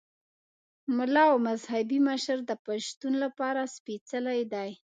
ملا او مذهبي مشر د پښتون لپاره سپېڅلی دی.